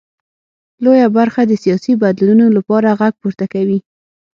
لویه برخه د سیاسي بدلونونو لپاره غږ پورته کوي.